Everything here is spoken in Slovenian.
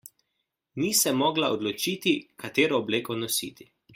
Ni se mogla odločiti, katero obleko nositi.